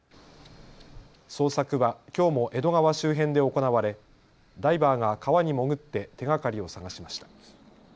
捜索はきょうも江戸川周辺で行われダイバーが川に潜って手がかりを捜しました。